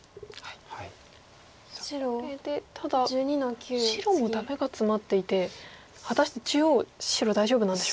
これでただ白もダメがツマっていて果たして中央白大丈夫なんでしょうか。